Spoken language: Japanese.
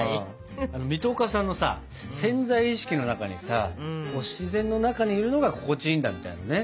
水戸岡さんのさ潜在意識の中にさ自然の中にいるのが心地いいんだみたいなね。